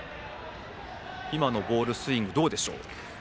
今のボールスイングどうでしょう？